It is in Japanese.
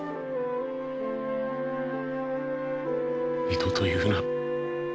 二度と言うな。